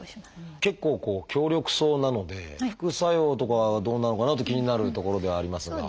結構強力そうなので副作用とかどうなのかなって気になるところではありますが。